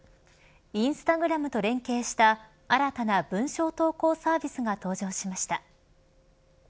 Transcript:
インスタグラムと連携した新たな文章投稿サービスが登場しました。